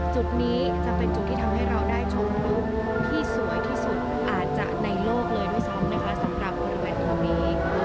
จุดนี้จะเป็นจุดที่ทำให้เราได้ชมรูปที่สวยที่สุดอาจจะในโลกเลยด้วยซ้ำนะคะสำหรับบริเวณตรงนี้